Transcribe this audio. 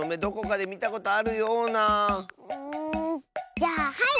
じゃあはい！